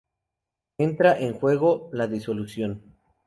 Entra en juego la desilusión.